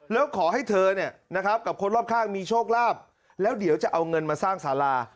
แล้วขอให้เธอเนี่ยนะครับกับคนรอบข้างมีโชคลาภแล้วเดี๋ยวจะเอาเงินมาสร้างสารา